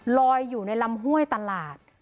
ลอยอยู่ในลำห้วยตลาด